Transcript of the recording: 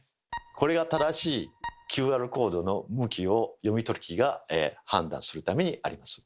これが正しいＱＲコードの向きを読み取り機が判断するためにあります。